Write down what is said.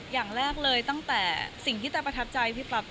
อย่างแรกเลยตั้งแต่สิ่งที่ตาประทับใจพี่ปั๊บ